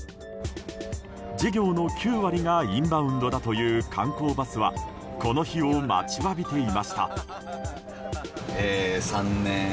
事業の９割がインバウンドだという観光バスはこの日を待ちわびていました。